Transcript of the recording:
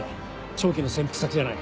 長期の潜伏先じゃない。